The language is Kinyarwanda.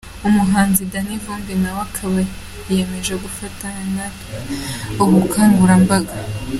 Umuhanzi Dany Vumbi nawe akaba yiyemeje gufatanya natwe ubu bukangurambaga.